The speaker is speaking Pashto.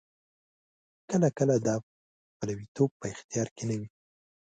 کله کله دا پلویتوب په اختیار کې نه وي.